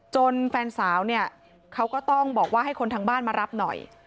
แฟนสาวเนี่ยเขาก็ต้องบอกว่าให้คนทางบ้านมารับหน่อย